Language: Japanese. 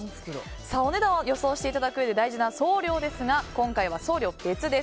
お値段を予想していただくうえで大事な送料ですが、別です。